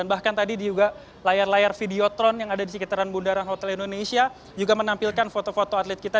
bahkan tadi di layar layar videotron yang ada di sekitar bunda rokodala indonesia juga menampilkan foto foto atlet kita